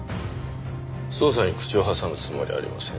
捜査に口を挟むつもりはありません。